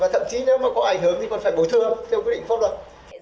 và thậm chí nếu mà có ảnh hưởng thì còn phải bồi thương theo quyết định pháp luật